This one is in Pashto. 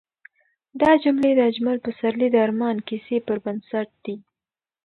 دا جملې د اجمل پسرلي د ارمان کیسې پر بنسټ دي.